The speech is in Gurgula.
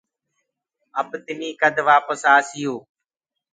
اب تمي ڪد وآپس آسيو۔